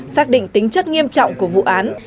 xác định tính chất nghiêm trọng của vụ án